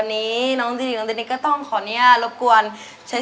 ได้เลยครับ